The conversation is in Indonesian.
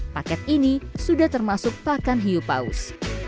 paket ini sudah termasuk pakan hiupaus